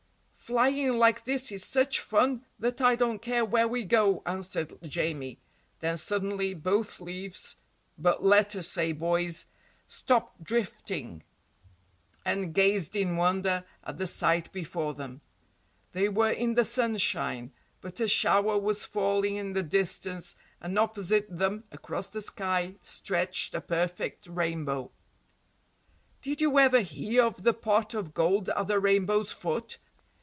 "Flying like this is such fun that I don't care where we go," answered Jamie, then suddenly both leaves but let us say boys stopped drifting and gazed in wonder at the sight before them. They were in the sunshine, but a shower was falling in the distance and opposite them, across the sky, stretched a perfect rainbow. "Did you ever hear of the pot of gold at the rainbow's foot?"